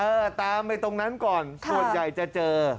ตามไปตรงนั้นก่อนส่วนใหญ่จะเจอ